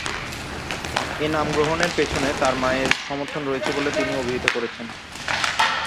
এ নাম গ্রহণের পেছনে তার মায়ের সমর্থন রয়েছে বলে তিনি অভিহিত করেছেন।